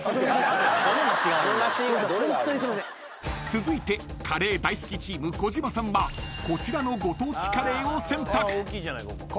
［続いてカレー大好きチーム児嶋さんはこちらのご当地カレーを選択］